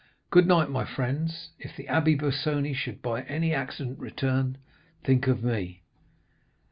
Good night, my friends. If the Abbé Busoni should by any accident return, think of me.